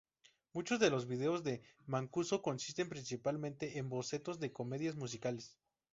Muchos de los videos de Mancuso consisten principalmente en bocetos de comedias musicales.